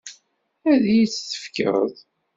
Ad iyi-tt-tefkeḍ?